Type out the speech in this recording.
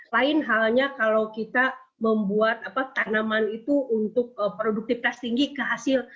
lain halnya kalau kita membuat tanaman itu untuk produktivitas tinggi ke hasil